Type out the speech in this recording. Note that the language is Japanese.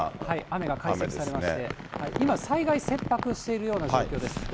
雨が観測されまして、今、災害切迫しているような状況です。